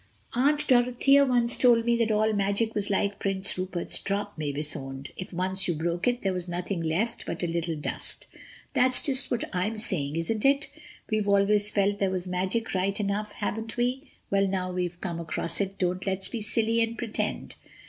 "Aunt Dorothea once told me that all magic was like Prince Rupert's drop," Mavis owned: "if once you broke it there was nothing left but a little dust." "That's just what I'm saying, isn't it? We've always felt there was magic right enough, haven't we? Well, now we've come across it, don't let's be silly and pretend.